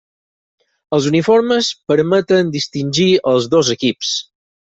Els uniformes permeten distingir els dos equips.